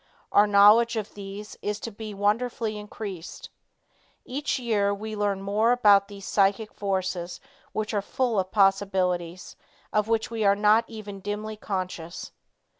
Our knowledge of these is to be wonderfully increased. Each year we learn more about these psychic forces which are full of possibilities of which we are not even dimly conscious.